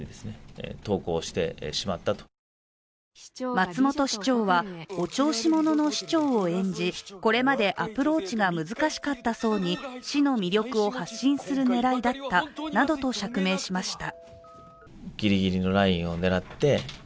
松本市長は、お調子者の市長を演じこれまでアプローチが難しかったそうに市の魅力を発信する狙いだったなどと釈明しました。